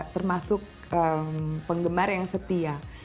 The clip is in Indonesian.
termasuk penggemar yang setia